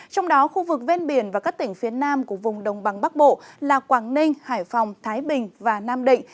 trong đó khu vực ven biển và các tỉnh phía nam của vùng đồng bằng bắc bộ là quảng ninh hải phòng thái bình và nam định